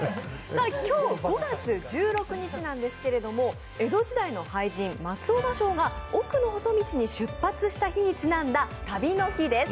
今日５月１６日なんですけれども、江戸時代の俳人松尾芭蕉が奥の細道に出発した日にちなんだ旅の日です。